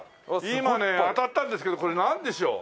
今ね当たったんですけどこれなんでしょう？